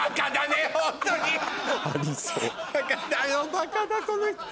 バカだこの人。